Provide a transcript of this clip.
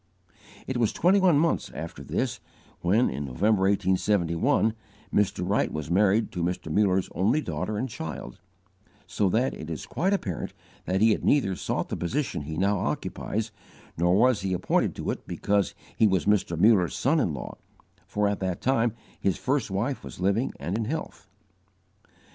It was twenty one months after this, when, in November, 1871, Mr. Wright was married to Mr. Muller's only daughter and child, so that it is quite apparent that he had neither sought the position he now occupies, nor was he appointed to it because he was Mr. Muller's son in law, for, at that time, his first wife was living and in health.